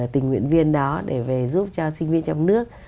tình nguyện viên đó để về giúp cho sinh viên trong nước